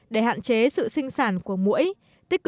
để hạn chế sự sinh sản của mũi